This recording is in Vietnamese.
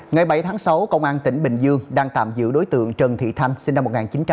ngày bảy tháng sáu công an tỉnh bình dương đang tạm giữ đối tượng trần thị thanh sinh năm một nghìn chín trăm tám mươi